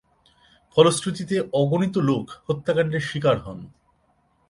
ফলশ্রুতিতে অগণিত লোক হত্যাকাণ্ডের শিকার হন।